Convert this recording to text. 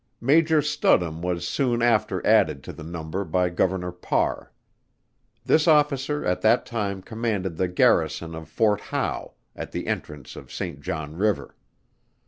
Major STUDHOLM was soon after added to the number by Governor PARR. This Officer at that time commanded the Garrison of Fort Howe, at the entrance of Saint John River.